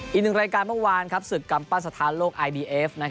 อีกหนึ่งรายการเมื่อวานครับศึกรรมป้าสทานโลกไอบีเอฟ